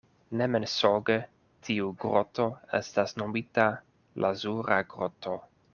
Ne mensoge tiu groto estas nomita: lazura groto.